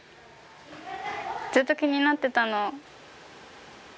ずっと気になってたの。